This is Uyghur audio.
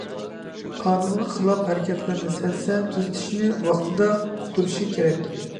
قانۇنغا خىلاپ ھەرىكەتلەرنى سەزسە، تۈزىتىشنى ۋاقتىدا ئۇقتۇرۇشى كېرەك.